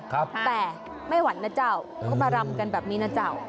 แต่ไม่ไหวนะเจ้าเขามารำกันแบบนี้นะเจ้า